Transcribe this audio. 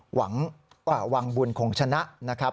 หวังวางบุญของชนะ